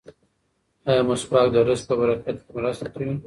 ایا مسواک د رزق په برکت کې مرسته کوي؟